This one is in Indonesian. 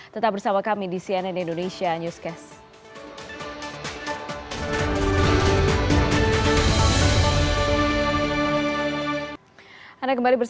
tetap bersama kami di cnn indonesia newscast